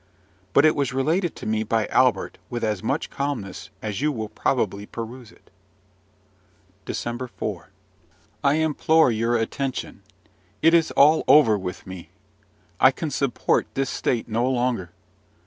But it was related to me by Albert with as much calmness as you will probably peruse it. DECEMBER 4. I implore your attention. It is all over with me. I can support this state no longer.